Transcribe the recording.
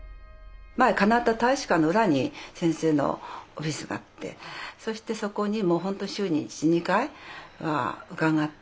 カナダ大使館の裏に先生のオフィスがあってそしてそこにもう本当に週に１２回は伺って。